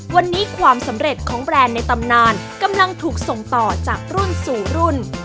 วันนี้ความสำเร็จของแบรนด์ในตำนานกำลังถูกส่งต่อจากรุ่นสู่รุ่น